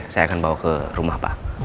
saya akan bawa ke rumah pak